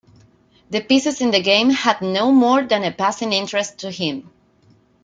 The pieces in the game had no more than a passing interest to him.